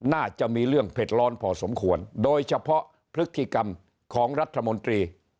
น่าจะมีเรื่องเผ็ดร้อนพอสมควรโดยเฉพาะพฤติกรรมของรัฐมนตรี